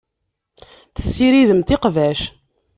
Tessiridemt iqbac.